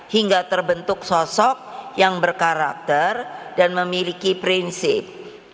hingga terbentuk sosok yang berkarakter dan memiliki prinsip